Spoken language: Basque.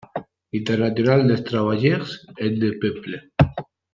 Internationale des travailleurs et des peuples.